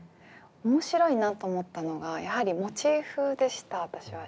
面白いなと思ったのがやはりモチーフでした私は。